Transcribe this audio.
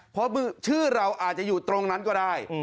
เพราะชื่อเราอาจจะอยู่ตรงนั้นก็ได้